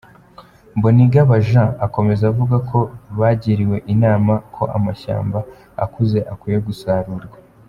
Mbonigaba Jean akomeza avuga ko bagiriwe inama ko amashyamba akuze akwiye gusarurwa.